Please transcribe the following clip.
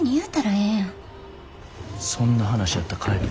そんな話やったら帰る。